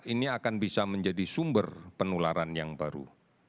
ini akan bisa menjadi sumber penularan yang baru